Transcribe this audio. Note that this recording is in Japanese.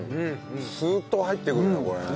スッと入ってくるねこれね。